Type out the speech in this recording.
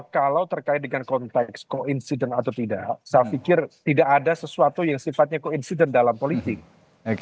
kalau terkait dengan konteks co insident atau tidak saya pikir tidak ada sesuatu yang sifatnya ko insident dalam politik